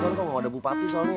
kalau nggak ada bupati soalnya